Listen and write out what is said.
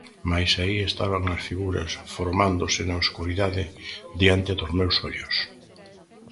Mais aí estaban as figuras, formándose na escuridade diante dos meus ollos.